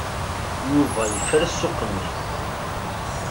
Yuba yefra ssuq-nni.